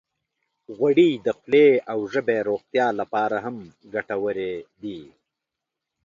غوړې د خولې او ژبې روغتیا لپاره هم ګټورې دي.